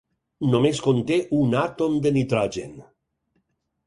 Només conté un àtom de nitrogen.